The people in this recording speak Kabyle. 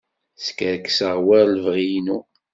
Skerkseɣ war lebɣi-inu.